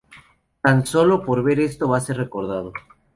Tan solo por esto va a ser recordado.